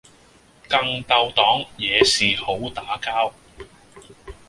更鬥黨惹事好打交